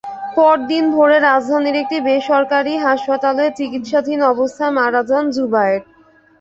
পরদিন ভোরে রাজধানীর একটি বেসরকারি একটি হাসপাতালে চিকিত্সাধীন অবস্থায় মারা যান জুবায়ের।